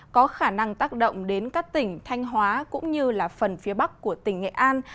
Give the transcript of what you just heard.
có khả năng tác động đến các tỉnh thanh hóa cũng như phần phía bắc của tỉnh nghệ an